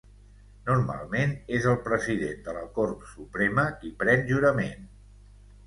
Normalment és el president de la Cort Suprema qui pren jurament.